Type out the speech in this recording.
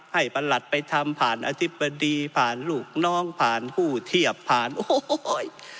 ประหลัดไปทำผ่านอธิบดีผ่านลูกน้องผ่านผู้เทียบผ่านโอ้ย